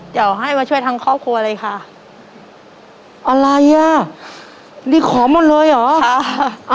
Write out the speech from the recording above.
เดี๋ยวให้มาช่วยทั้งครอบครัวเลยค่ะอะไรอ่ะนี่ขอหมดเลยเหรอค่ะ